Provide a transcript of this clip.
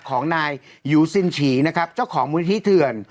ของนายยูซินฉีนะครับเจ้าของมูลนิธิเถื่อน